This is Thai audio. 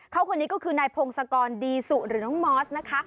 เขาคนนี้ก็คือนายพงศกรดีสุหรือน้องมอสนะคะ